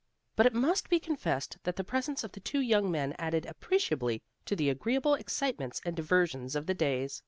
But it must be confessed that the presence of the two young men added appreciably to the agreeable excitements and diversions of the days.